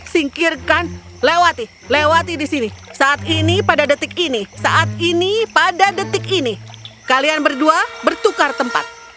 singkirkan lewati lewati di sini saat ini pada detik ini saat ini pada detik ini kalian berdua bertukar tempat